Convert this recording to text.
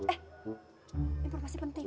eh informasi penting